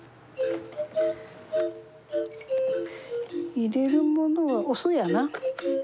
入れるものはお酢やな。